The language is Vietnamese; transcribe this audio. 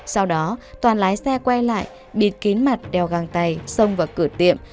sau đó toàn lái xe quay lại bịt kín mặt đeo găng tay xông vào cửa tiệm